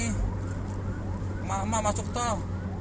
emak emak masuk tol